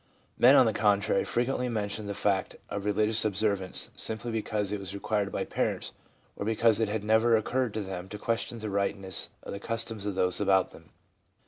Men, on the contrary, frequently mention the fact of religious observance, simply because it was required by parents, or because it had never occurred to them to question the rightness of the customs of those about them.